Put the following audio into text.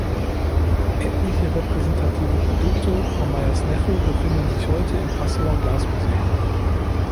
Etliche repräsentative Produkte von Meyr’s Neffe befinden sich heute im Passauer Glasmuseum.